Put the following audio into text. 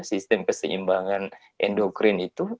sistem keseimbangan endokrin itu